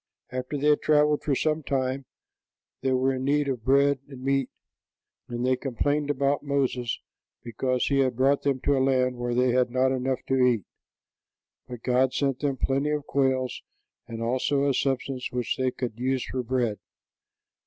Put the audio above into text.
After they had traveled for some time, they were in need of bread and meat, and they complained about Moses because he had brought them to a land where they had not enough to eat. But God sent them plenty of quails and also a substance which they could use for bread.